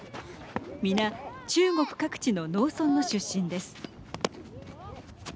皆、中国各地の農村の出身です。